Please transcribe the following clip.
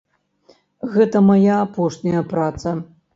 Гэта мая апошняя праца.